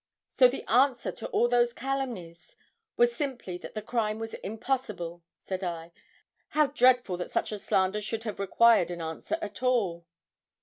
'So the answer to all those calumnies was simply that the crime was impossible,' said I. 'How dreadful that such a slander should have required an answer at all!'